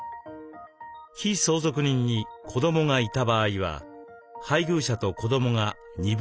被相続人に子どもがいた場合は配偶者と子どもが1/2ずつ。